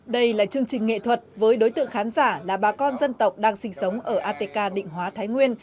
đây là chương trình nghệ thuật với đối tượng khán giả là bà con dân tộc đang sinh sống ở atk định hóa thái nguyên